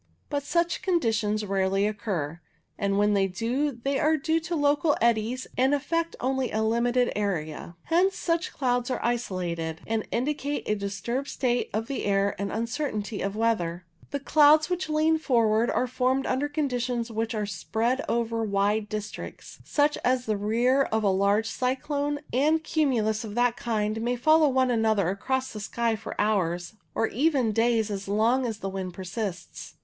But such conditions rarely occur, and when they do they are due to local eddies and affect only a limited area. Hence such clouds are isolated, and indicate a disturbed state of the air and uncertainty of weather. The clouds which lean forward are formed under conditions which are spread over wide districts, such as the rear of a large cyclone, and cumulus of that kind may follow one another across the sky for hours or even days as long as the wind persists.